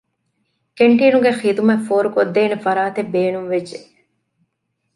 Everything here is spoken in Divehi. ކެންޓީނުގެ ޚިދުމަތް ފޯރުކޮށްދޭނެ ފަރާތެއް ބޭނުންވެއްޖެ